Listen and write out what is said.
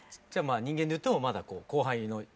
じゃあ人間でいうとまだ後輩の。